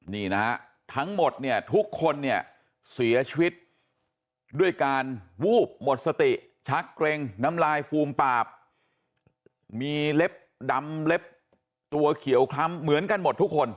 นี่นะฮะทั้งหมดเนี่ยทุกคนเนี่ยเสียชีวิตด้วยการวูบหมดสติชักเกร็งน้ำลายฟูมปากมีเล็บดำเล็บตัวเขียวคล้ำเหมือนกันหมดทุกคน